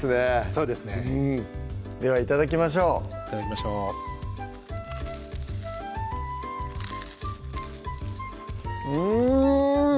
そうですねでは頂きましょう頂きましょううん！